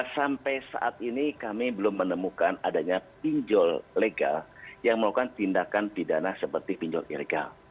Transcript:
sampai saat ini kami belum menemukan adanya pinjol legal yang melakukan tindakan pidana seperti pinjol ilegal